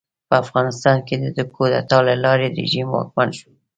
په افغانستان کې د کودتا له لارې رژیم واکمن شو.